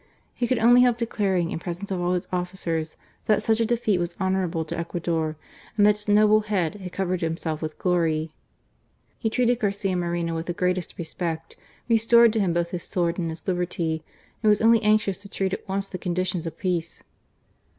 He could not help declaring in presence of all his officers that such a defeat was honourable to Ecuador, and that its noble head had covered himself with glory. He treated Garcia Moreno with the greatest respect, restored to him both his sword and his liberty, and was only anxious to treat at once the conditions of peace.